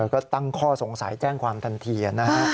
ก็ตั้งข้อสงสัยแจ้งความทันทีนะฮะ